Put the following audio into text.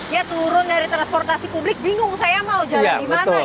ya turun dari transportasi publik bingung saya mau jalan di mana